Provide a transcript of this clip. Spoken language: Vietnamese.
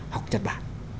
học nhật bản